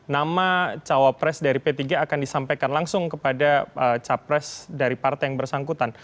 nama cawapres dari p tiga akan disampaikan langsung kepada capres dari partai yang bersangkutan